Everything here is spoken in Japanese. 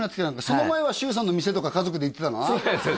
その前は周さんの店とか家族で行ってたなそうです